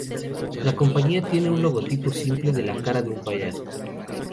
La compañía tiene un logotipo simple de la cara de un payaso.